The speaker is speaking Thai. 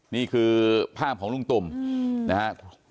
นี่คือภาพของลุงตุ่มนะครับ